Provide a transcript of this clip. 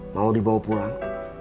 mau dibawa pulang